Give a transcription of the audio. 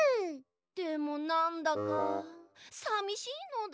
でもなんだかさみしいのだ。